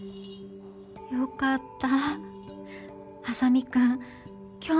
よかった。